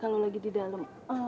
kalau lagi di dalam